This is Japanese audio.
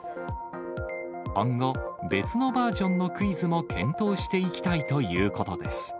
今後、別のバージョンのクイズも検討していきたいということです。